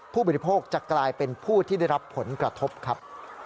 ผู้บริโภคจะกลายเป็นผู้ที่ได้รับผลกระทบครับ